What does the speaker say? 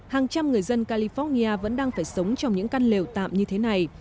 hàng trăm người dân california vẫn đang phải sống trong những căn lều tạm như thế này